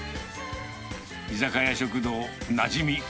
居酒屋食堂なじみ。